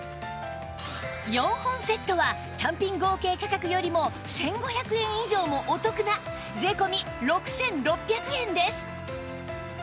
４本セットは単品合計価格よりも１５００円以上もお得な税込６６００円です